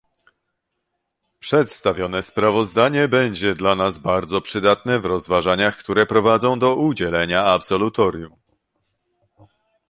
Przedstawione sprawozdanie będzie dla nas bardzo przydatne w rozważaniach, które prowadzą do udzielenia absolutorium